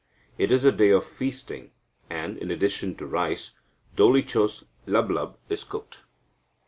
It is a day of feasting, and, in addition to rice, Dolichos Lablab is cooked.